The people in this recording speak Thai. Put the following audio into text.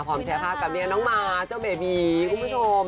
พร้อมแชร์ภาพกับเมียน้องหมาเจ้าเบบีคุณผู้ชม